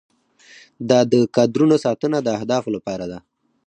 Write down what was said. دا د کادرونو ساتنه د اهدافو لپاره ده.